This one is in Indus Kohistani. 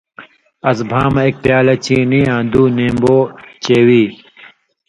اس بھاں مہ ایک پیالہ چینی آں دُو نیمبو چیوی۔